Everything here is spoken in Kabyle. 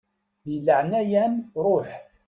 Di leɛnaya-m ṛuḥ.